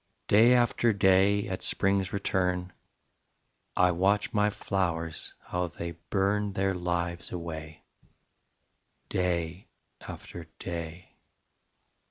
Day after day At spring's return, I watch my flowers, how they burn Their lives away, Day after day